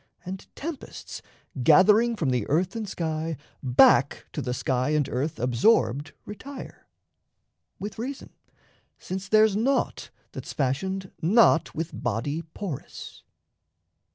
And tempests, gathering from the earth and sky, Back to the sky and earth absorbed retire With reason, since there's naught that's fashioned not With body porous.